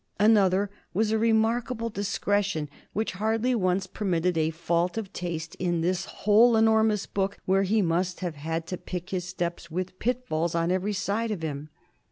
Another was a remarkable discretion which hardly once permitted a fault of taste in this whole enormous book where he must have had to pick his steps with pitfalls on every side of him.